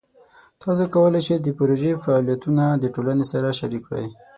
تاسو کولی شئ د پروژې فعالیتونه د ټولنې سره شریک کړئ.